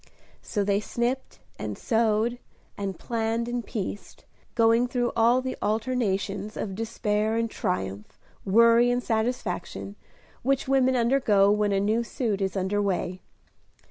So they snipped and sewed, and planned and pieced, going through all the alternations of despair and triumph, worry and satisfaction, which women undergo when a new suit is under way.